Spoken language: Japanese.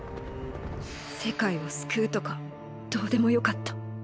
世界を救うとかどうでもよかった。